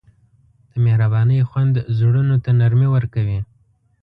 د مهربانۍ خوند زړونو ته نرمي ورکوي.